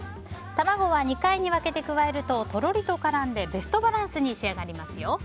卵は２回に分けて加えるととろりと絡んでベストバランスに仕上がりますよ。